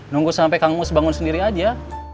nunggu sampai kang mus bangun sendiri aja